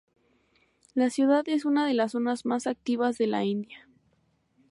La ciudad es una de las zonas más activas de la India.